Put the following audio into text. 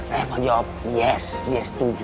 reva jawab yes dia setuju